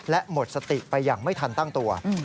และหมดสติไปอย่างไม่ทันตั้งตัว